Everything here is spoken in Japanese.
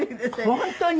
本当に？